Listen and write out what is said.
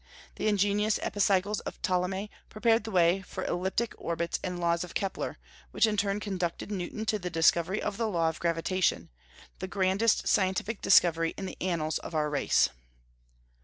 The ingenious epicycles of Ptolemy prepared the way for the elliptic orbits and laws of Kepler, which in turn conducted Newton to the discovery of the law of gravitation, the grandest scientific discovery in the annals of our race.